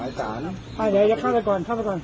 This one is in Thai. อะไรอย่างนี้ไปไหนจะเข้ากันก่อนข้อมูลไปก่อน